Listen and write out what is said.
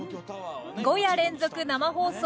「５夜連続生放送